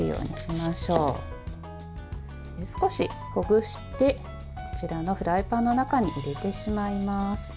少しほぐしてこちらのフライパンの中に入れてしまいます。